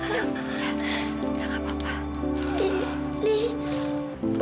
lara gak tahu